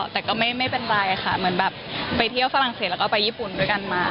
แต่ก็ไม่เป็นไรค่ะเหมือนแบบไปเที่ยวฝรั่งเศสแล้วก็ไปญี่ปุ่นด้วยกันมา